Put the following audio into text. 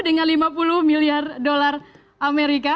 dengan lima puluh miliar dolar amerika